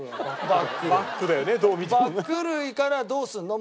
バッグ類からどうするの？